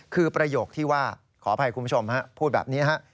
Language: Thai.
คือประโยคที่ว่าขออภัยคุณผู้ชมฮะพูดแบบนี้ฮะ